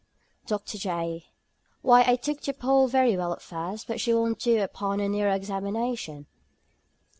_" DR. J. "Why, I took to Poll very well at first, but she won't do upon a nearer examination."